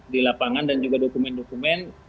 di lapangan dan juga dokumen dokumen